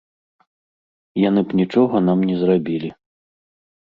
Яны б нічога нам не зрабілі.